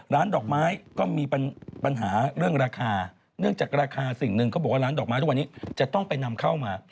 ดอกไม้ก็มีปัญหาเรื่องราคาเนื่องจากราคาสิ่งหนึ่งเขาบอกว่าร้านดอกไม้ทุกวันนี้จะต้องไปนำเข้ามา